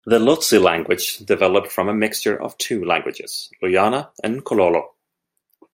The Lozi language developed from a mixture of two languages: Luyana and Kololo.